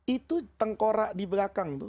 itu tengkorak di belakang